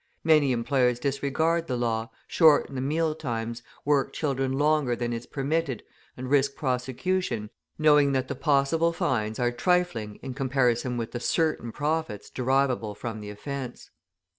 Many employers disregard the law, shorten the meal times, work children longer than is permitted, and risk prosecution, knowing that the possible fines are trifling in comparison with the certain profits derivable from the offence.